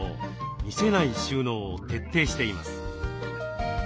見せない収納を徹底しています。